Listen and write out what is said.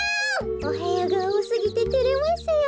おへやがおおすぎててれますよ。